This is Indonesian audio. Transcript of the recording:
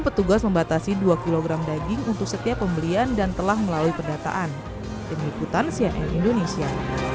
petugas membatasi dua kg daging untuk setiap pembelian dan telah melalui perdataan penyelidikan cna indonesia